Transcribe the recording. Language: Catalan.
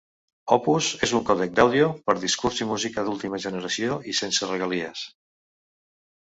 Opus és un còdec d'àudio per discurs i música d'última generació i sense regalies.